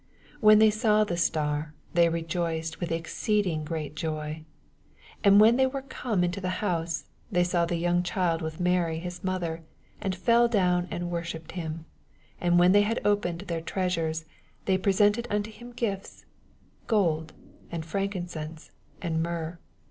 10 When they saw the star, they rejoiced with exceeding great joy. 11 And when they were come into the house, they saw the young child with Marv his mother, and fell down and worsnipped him ; and when they had opened their treasures, they pre« sented unto him gifts; gold, and frankincense^ and myrrh.